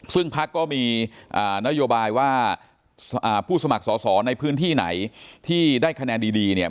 ซึ่งพักก็มีนโยบายว่าผู้สมัครสอสอในพื้นที่ไหนที่ได้คะแนนดีเนี่ย